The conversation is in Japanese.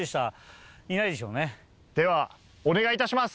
ではお願いいたします。